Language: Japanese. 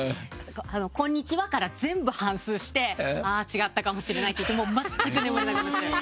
「こんにちは」から全部反すうして違ったかもしれないっていって全く眠れなくなっちゃう。